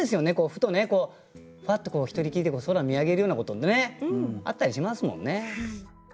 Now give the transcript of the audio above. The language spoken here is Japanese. ふとねふわっと一人きりで空見上げるようなことってねあったりしますもんね。